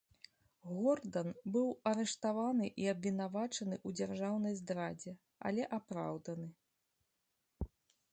Гордан быў арыштаваны і абвінавачаны ў дзяржаўнай здрадзе, але апраўданы.